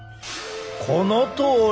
このとおり。